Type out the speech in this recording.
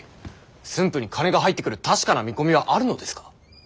駿府に金が入ってくる確かな見込みはあるのですか？